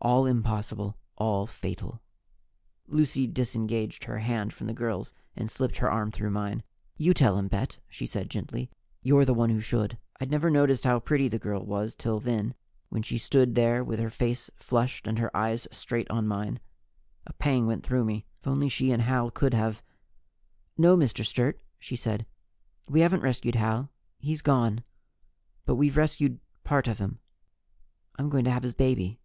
All impossible, all fatal. Lucy disengaged her hands from the girl's and slipped her arm through mine. "You tell him, Bet," she said gently. "You're the one who should." I'd never noticed how pretty the girl was till then, when she stood there with her face flushed and her eyes straight on mine. A pang went through me; if only she and Hal could have "No, Mr. Sturt," she said, "we haven't rescued Hal. He's gone. But we've rescued part of him. I'm going to have his baby."